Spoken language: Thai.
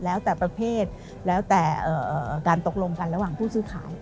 แล้วแต่ประเภทแล้วแต่การตกลงกันระหว่างผู้ซื้อขาย